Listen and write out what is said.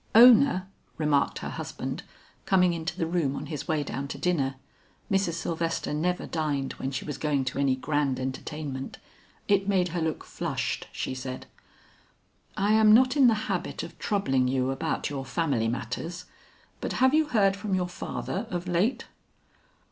"Ona," remarked her husband, coming into the room on his way down to dinner Mrs. Sylvester never dined when she was going to any grand entertainment; it made her look flushed she said "I am not in the habit of troubling you about your family matters, but have you heard from your father of late?"